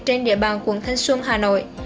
trên địa bàn quận thanh xuân hà nội